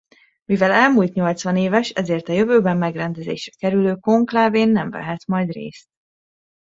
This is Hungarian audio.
Mivel elmúlt nyolcvanéves ezért a jövőben megrendezésre kerülő konklávén nem vehet majd részt.